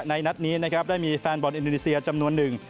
นัดนี้นะครับได้มีแฟนบอลอินโดนีเซียจำนวนหนึ่ง